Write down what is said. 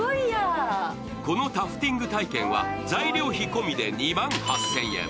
このタフティング体験は材料費込みで２万８０００円。